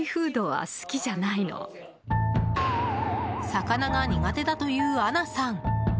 魚が苦手だというアナさん。